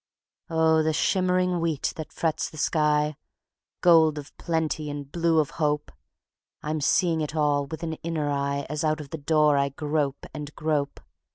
... Oh, the shimmering wheat that frets the sky, Gold of plenty and blue of hope, I'm seeing it all with an inner eye As out of the door I grope and grope.